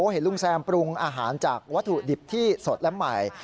เห็นลุงแซมปรุงอาหารจากวัตถุดิบที่สดและใหม่